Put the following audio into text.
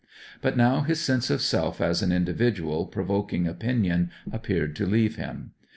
But now his sense of self, as an individual provoking opinion, appeared to leave him.